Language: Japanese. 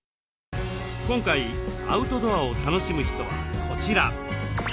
今回アウトドアを楽しむ人はこちら。